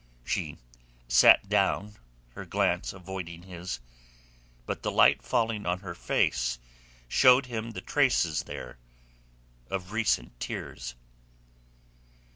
She sat down, her glance avoiding his; but the light falling on her face showed him the traces there of recent tears.